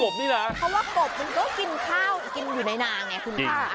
เพราะมันก็กินข้าวอยู่ไหนนางแหงโทษจริง